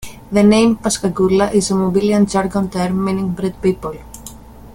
The name "Pascagoula" is a Mobilian Jargon term meaning "bread people".